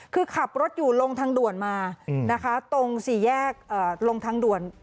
คือขับรถอยู่ลงทางด่วนมานะคะตรงสี่แยกลงทางด่วน